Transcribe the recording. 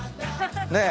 ねえ。